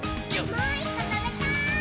もう１こ、たべたい！